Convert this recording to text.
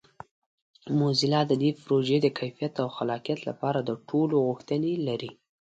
موزیلا د دې پروژې د کیفیت او خلاقیت لپاره د ټولو غوښتنې لري.